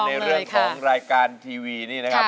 ในเรื่องของรายการทีวีนี่นะครับ